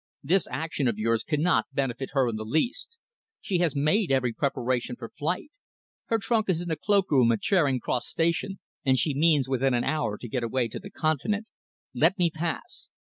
"This action of yours cannot benefit her in the least. She has made every preparation for flight. Her trunk is in the cloakroom at Charing Cross Station, and she means within an hour to get away to the Continent. Let me pass."